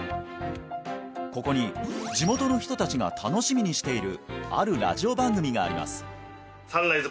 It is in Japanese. ここに地元の人達が楽しみにしているあるラジオ番組があります